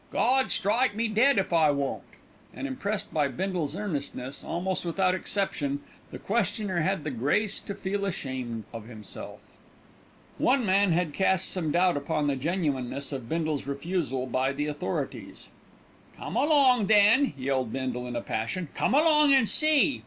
Gawd strike me dead if I won't." And impressed by Bindle's earnestness, almost without exception, the questioner had the grace to feel ashamed of himself. One man had cast some doubt upon the genuineness of Bindle's refusal by the authorities. "Come along, then," yelled Bindle in a passion; "come along an' see."